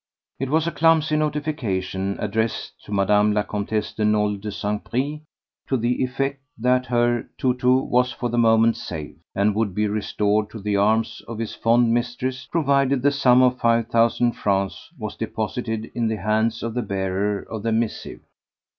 It was a clumsy notification addressed to Mme. la Comtesse de Nolé de St. Pris to the effect that her tou tou was for the moment safe, and would be restored to the arms of his fond mistress provided the sum of five thousand francs was deposited in the hands of the bearer of the missive.